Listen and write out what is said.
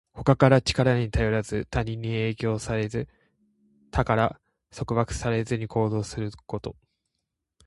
他からの力に頼らず、他人に影響されず、他から束縛されずに行動すること。